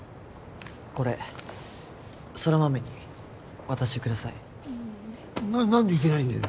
これ空豆に渡してくださいな何で行けないんだよ？